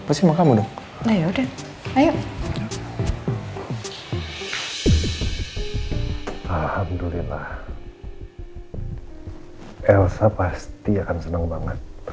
pasti sama kamu dong